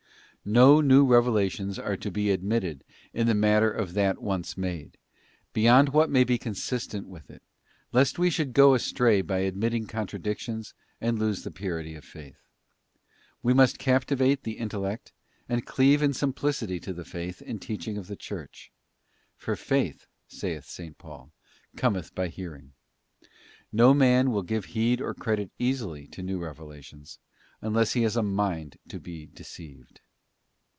'* No new revelations are to be admitted in the matter of that once made, beyond what may be consistent with it, lest we should go astray by admitting contradictions, and lose the purity of Faith. We must captivate the in tellect, and cleave in simplicity to the Faith and teaching of the Church, ' for faith,' saith S. Paul, ' cometh by hearing.' f No man will give heed or credit easily to new revelations, unless he has a mind to be deceived.